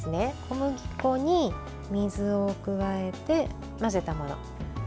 小麦粉に水を加えて混ぜたもの。